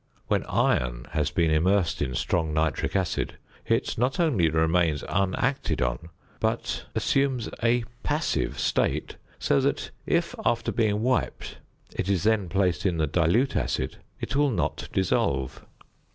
When iron has been immersed in strong nitric acid it not only remains unacted on, but assumes a passive state; so that if, after being wiped, it is then placed in the dilute acid, it will not dissolve.